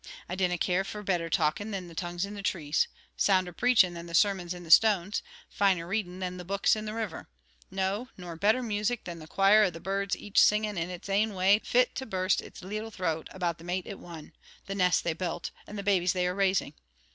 I dinna care for better talkin' than the 'tongues in the trees'; sounder preachin' than the 'sermons in the stones'; finer readin' than the books in the river; no, nor better music than the choir o' the birds, each singin' in its ain way fit to burst its leetle throat about the mate it won, the nest they built, and the babies they are raising.